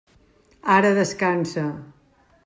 Ara descansa.